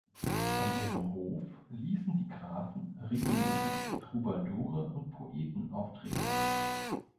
An ihrem Hof ließen die Grafen regelmäßig Troubadoure und Poeten auftreten.